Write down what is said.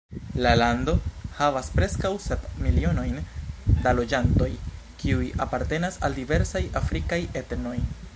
La lando havas preskaŭ sep milionojn da loĝantoj, kiuj apartenas al diversaj afrikaj etnoj.